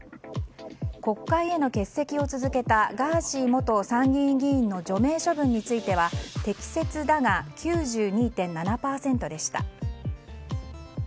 国会への欠席を続けたガーシー元参議院議員の除名処分については適切だが９２．７％でした。